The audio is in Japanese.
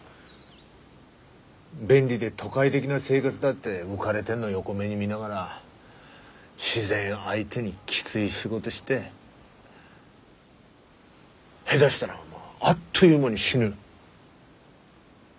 便利で都会的な生活だって浮かれてんの横目に見ながら自然相手にきつい仕事して下手したらあっという間に死ぬ。